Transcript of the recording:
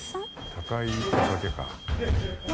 高いお酒かな。